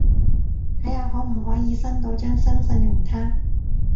睇下可唔可以申到張新信用卡